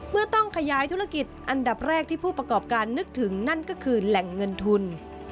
เมื่อต้องขยายธุรกิจอันดับแรกที่ผู้ประกอบการนึกถึงนั่นก็คือแหล่งเงินทุน